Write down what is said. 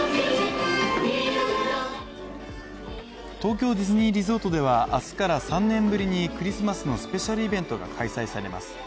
東京ディズニーリゾートでは明日から３年ぶりにクリスマスのスペシャルイベントが開催されます。